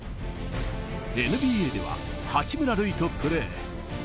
ＮＢＡでは八村塁とプレー。